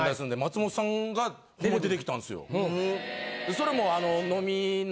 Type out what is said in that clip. それも。